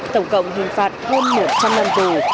tổng cộng hình phạt hơn một trăm linh năm tù